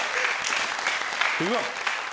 うわっ。